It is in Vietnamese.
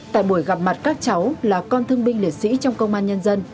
tại buổi gặp mặt các cháu là con thương binh liệt sĩ trong công an nhân dân